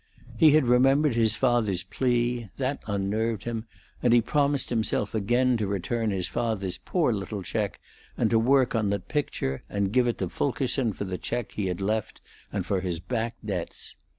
He had remembered his father's plea; that unnerved him, and he promised himself again to return his father's poor little check and to work on that picture and give it to Fulkerson for the check he had left and for his back debts.